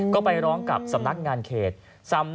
ก็ไปร้องกับสำนักงานเขต